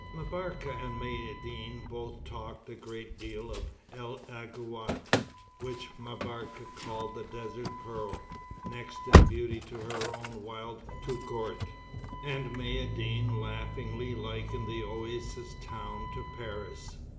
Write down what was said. M'Barka and Maïeddine both talked a great deal of El Aghouat, which M'Barka called the desert pearl, next in beauty to her own wild Touggourt, and Maïeddine laughingly likened the oasis town to Paris.